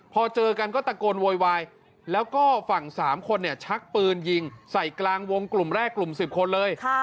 เพราะฝั่ง๓คนเนี่ยชักปืนยิงใส่กลางวงกลุ่มแรกกลุ่ม๑๐คนเลย